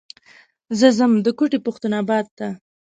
زه ځم د کوتي پښتون اباد ته.